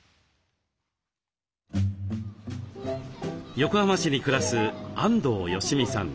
横浜市に暮らす安藤恵己さん。